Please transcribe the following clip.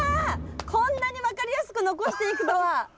こんなに分かりやすく残していくとは。